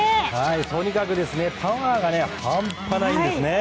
とにかくパワーが半端ないんです。